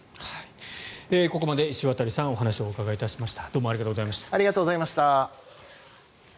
ここまで石渡さんお話をお伺いしました。